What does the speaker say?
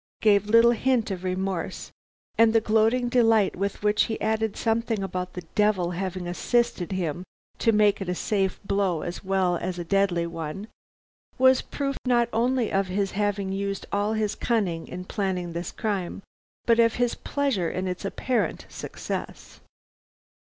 gave little hint of remorse; and the gloating delight with which he added something about the devil having assisted him to make it a safe blow as well as a deadly one, was proof not only of his having used all his cunning in planning this crime, but of his pleasure in its apparent success.